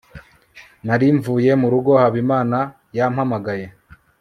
nari mvuye murugo habimana yampamagaye